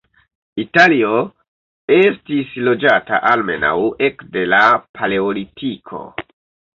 Italio estis loĝata almenaŭ ekde la Paleolitiko.